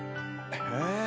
へえ。